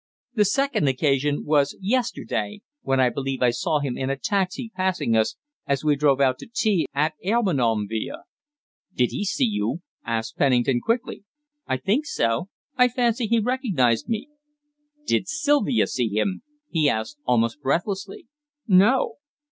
The second occasion was yesterday, when I believe I saw him in a taxi passing us as we drove out to tea at Armenonville." "Did he see you?" asked Pennington quickly. "I think so. I fancy he recognized me." "Did Sylvia see him?" he asked almost breathlessly. "No."